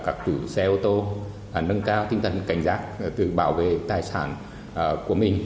các chủ xe ô tô nâng cao tinh thần cảnh giác từ bảo vệ thai sản của mình